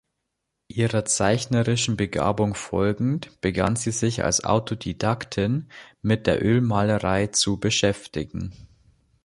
Ihrer zeichnerischen Begabung folgend begann sie sich als Autodidaktin mit der Ölmalerei zu beschäftigen.